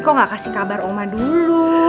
kok gak kasih kabar oma dulu